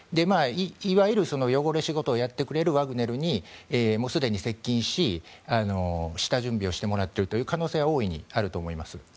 いわゆる汚れ仕事をやってくれるワグネルにすでに接近し下準備をしてもらっている可能性は大いにあると思います。